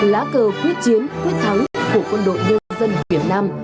lá cờ quyết chiến quyết thắng của quân đội nhân dân việt nam